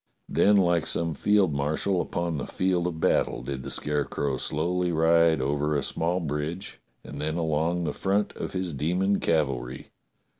Then like some field marshal upon the field of battle did the Scare crow slow^ly ride over a small bridge and then along the front of his demon cavalry.